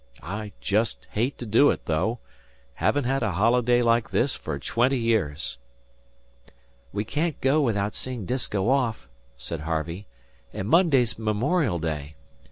I just hate to do it, though; haven't had a holiday like this for twenty years." "We can't go without seeing Disko off," said Harvey; "and Monday's Memorial Day.